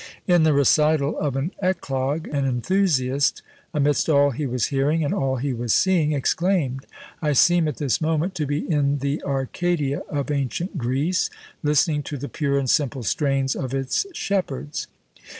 In the recital of an eclogue, an enthusiast, amidst all he was hearing and all he was seeing, exclaimed, "I seem at this moment to be in the Arcadia of ancient Greece, listening to the pure and simple strains of its shepherds."